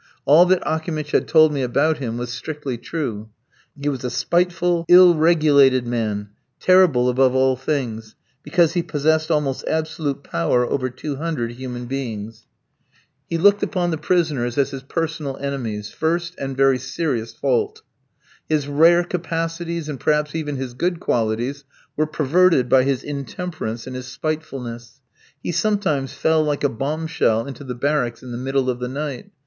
All that Akimitch had told me about him was strictly true. He was a spiteful, ill regulated man, terrible above all things, because he possessed almost absolute power over two hundred human beings. He looked upon the prisoners as his personal enemies first, and very serious fault. His rare capacities, and, perhaps, even his good qualities, were perverted by his intemperance and his spitefulness. He sometimes fell like a bombshell into the barracks in the middle of the night.